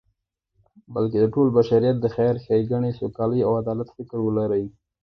بلکی د ټول بشریت د خیر، ښیګڼی، سوکالی او عدالت فکر ولری